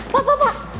pak pak pak